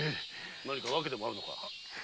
何か理由でもあるのか？